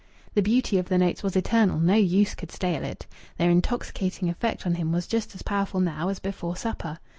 The beauty of the notes was eternal; no use could stale it. Their intoxicating effect on him was just as powerful now as before supper.